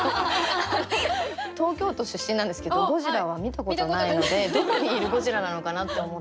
東京都出身なんですけどゴジラは見たことないのでどこにいるゴジラなのかなって思って。